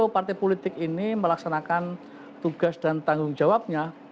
sepuluh partai politik ini melaksanakan tugas dan tanggung jawabnya